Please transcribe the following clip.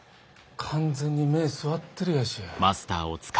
完全に目据わってるやし。